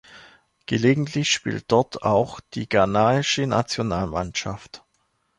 Gelegentlich spielt dort auch die ghanaische Nationalmannschaft.